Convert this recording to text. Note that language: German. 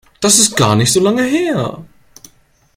Das ist gar nicht so lange her.